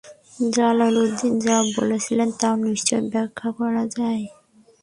Jalaluddin যা বলেছে, তাও নিশ্চয়ই ব্যাখ্যা করা যায়।